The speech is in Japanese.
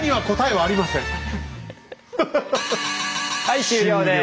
はい終了です。